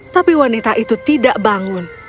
tapi wanita itu tidak bangun